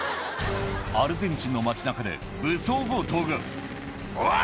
アルゼンチンの街中で武装強盗が「おい！